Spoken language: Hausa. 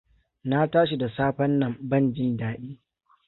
Na tashi da safen nan ban jin daɗi.